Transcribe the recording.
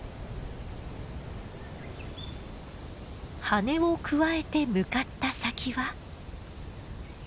羽根をくわえて向かった先は。